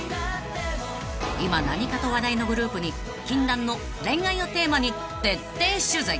［今何かと話題のグループに禁断の恋愛をテーマに徹底取材］